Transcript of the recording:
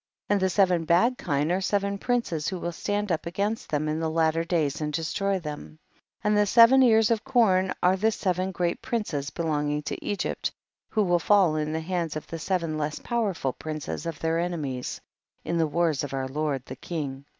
17. And the seven bad kine are seven princes, who will stand up against them in the latter days and destroy them ; and the seven ears of corn are the seven great princes be longing to Egypt, who will fall in the hands of the seven less powerful princes of their enemies, in the wars of our lord the king.